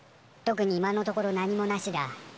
いや特に今のところ何もなしだ。